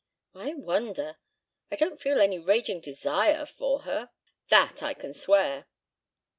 "I wonder! I don't feel any raging desire for her that I can swear."